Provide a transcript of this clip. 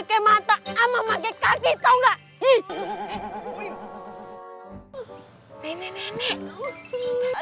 aku cekai bahasa mel lands kuisut ci sampai minimal